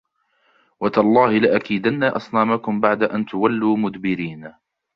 وَتَاللَّهِ لَأَكِيدَنَّ أَصْنَامَكُمْ بَعْدَ أَنْ تُوَلُّوا مُدْبِرِينَ